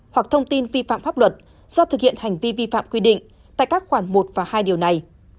hoặc thông tin vi phạm pháp luật do thực hiện hành vi vi phạm quy định tại các khoản một và hai điều này